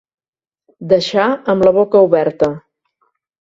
Deixar amb la boca oberta.